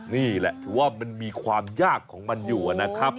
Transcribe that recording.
นี่แหละถือว่ามันมีความยากของมันอยู่นะครับ